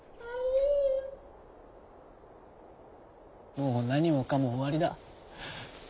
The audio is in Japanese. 「もうなにもかもおわりだ」。